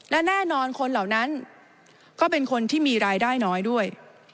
และแน่นอนคนเหล่านั้นก็เป็นคนที่มีรายได้น้อยด้วย